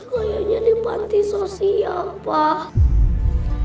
kayaknya di panti sosial pak